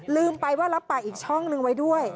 ลืมไปว่ารับปากอีกช่องนึงไว้ด้วย